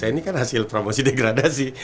ini kan hasil promosi degradasi